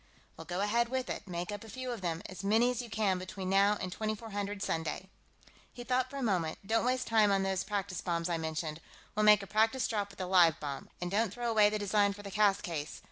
"Well, go ahead with it. Make up a few of them; as many as you can between now and 2400 Sunday." He thought for a moment. "Don't waste time on those practice bombs I mentioned. We'll make a practice drop with a live bomb. And don't throw away the design for the cast case.